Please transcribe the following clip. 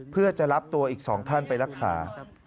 เพื่อจะรับตัวอีก๒ท่านไปรักษา